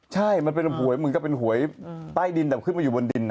ใช่มันเป็นหวยเหมือนกับเป็นหวยใต้ดินแต่ขึ้นมาอยู่บนดิน